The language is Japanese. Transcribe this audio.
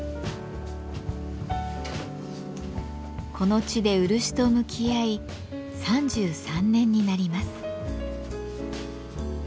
この地で漆と向き合い３３年になります。